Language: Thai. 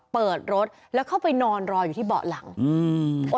เปิดรถแล้วเข้าไปนอนรออยู่ที่เบาะหลังอืม